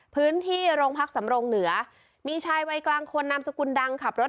พื้นที่โรงพักสำรงเหนือมีชายวัยกลางคนนามสกุลดังขับรถ